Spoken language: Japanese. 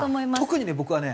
特にね僕はね